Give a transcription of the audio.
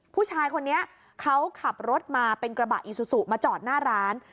ผู้ชายคนนี้เขาขับรถมาเป็นกระบะอีซูซูมาจอดหน้าร้าน